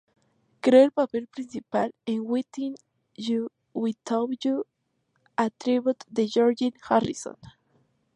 Creó el papel principal en "Within You Without You: A Tribute to George Harrison".